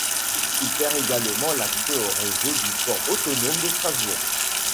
Il permet également l'accès au réseau du port autonome de Strasbourg.